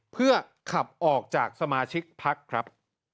เพื่อขับออกจากสมาชิกพักครับ